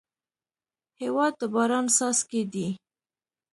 هېواد د باران څاڅکی دی.